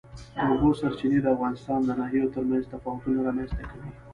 د اوبو سرچینې د افغانستان د ناحیو ترمنځ تفاوتونه رامنځ ته کوي.